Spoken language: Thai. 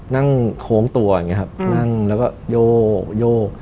โค้งตัวอย่างนี้ครับนั่งแล้วก็โยก